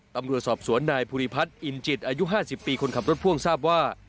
ตำรวจสอบสวนนายภูริพัฒน์อินจิตอายุ๕๐ปีคนขับรถพ่วงทราบว่า